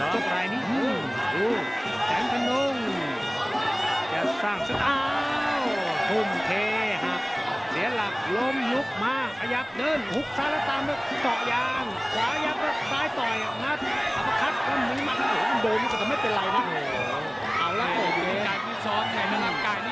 เสียงหาเสียงเหเริ่มแรง